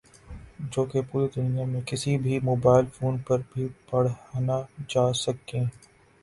جو کہ پوری دنیا میں کِسی بھی موبائل فون پر بھی پڑھنا جاسکیں